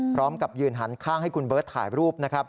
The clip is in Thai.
พร้อมกับยืนหันข้างให้คุณเบิร์ตถ่ายรูปนะครับ